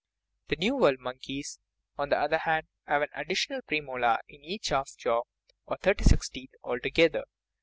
The New World monkeys, on the other hand, have an additional premolar in each half jaw, or thirty six teeth altogether.